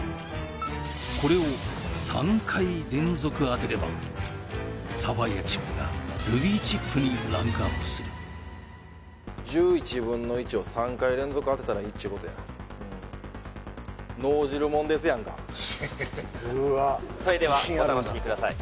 これをサファイアチップがルビーチップにランクアップする１１分の１を３回連続当てたらいいっちゅうことやそれではお楽しみください